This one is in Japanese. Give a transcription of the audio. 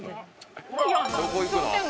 どこ行くの？